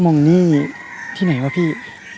มองนี่ที่ไหนวะพี่